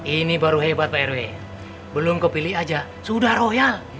ini baru hebat pak rw belum kepilih aja sudah royal